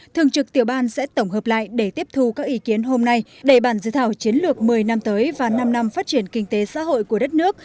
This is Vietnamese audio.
thường trực tiểu ban sẽ tổng hợp lại để tiếp thu các ý kiến hôm nay đẩy bản dự thảo chiến lược một mươi năm tới và năm năm phát triển kinh tế xã hội của đất nước